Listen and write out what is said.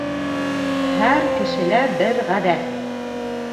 Һәр кешелә бер ғәҙәт.